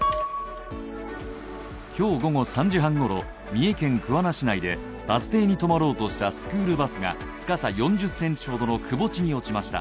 今日午後３時半ごろ、三重県桑名市内でバス停に止まろうとしたスクールバスが深さ４０ｃｍほどの、くぼ地に落ちました。